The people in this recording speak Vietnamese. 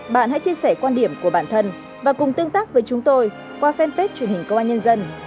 bạn hãy chia sẻ quan điểm của bản thân và cùng tương tác với chúng tôi qua fanpage truyền hình công an nhân dân